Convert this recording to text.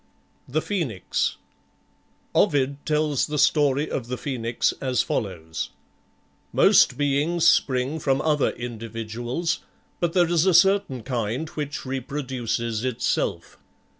THE PHOENIX Ovid tells the story of the Phoenix as follows: "Most beings spring from other individuals; but there is a certain kind which reproduces itself.